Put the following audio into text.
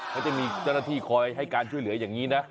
เขาจะมีเจ้าหน้าที่คอยให้การช่วยเหลืออย่างนี้นะ